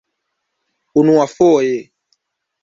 unuafoje